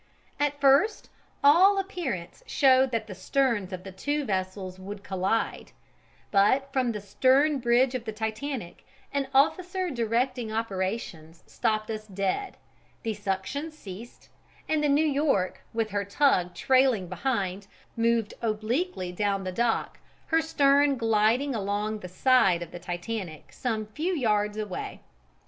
At first all appearance showed that the sterns of the two vessels would collide; but from the stern bridge of the Titanic an officer directing operations stopped us dead, the suction ceased, and the New York with her tug trailing behind moved obliquely down the dock, her stern gliding along the side of the Titanic some few yards away.